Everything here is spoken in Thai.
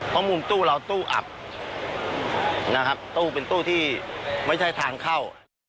เพราะมุมตู้เราตู้อับนะครับตู้เป็นตู้ที่ไม่ใช่ทางเข้า